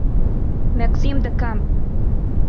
Maxime du Camp.